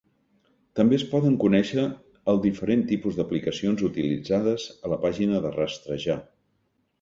També es poden conèixer el diferent tipus d'aplicacions utilitzades a la pàgina a rastrejar.